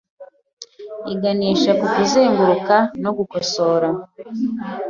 iganisha ku kuzenguruka no gukosora